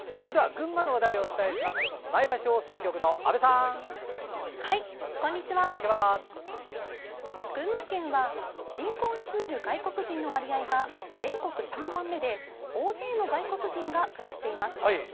群馬県は人口に占める外国人の割合が全国３番目で大勢の外国人が暮らしています。